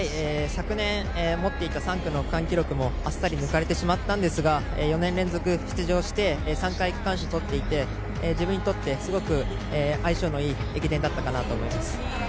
昨年、持っていた３区の区間記録もあっさり抜かれてしまったんですが４年連続出場して３回、区間賞をとっていて自分にとってすごく相性のいい駅伝だったと思います。